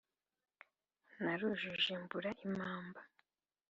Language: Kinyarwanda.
narujuje mbura impamba.